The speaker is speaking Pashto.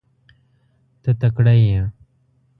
ته تکړه یې .